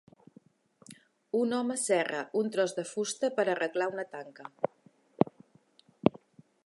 Un home serra un tros de fusta per arreglar una tanca.